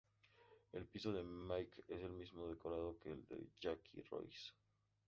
El piso de Mickey es el mismo decorado que el de Jackie y Rose.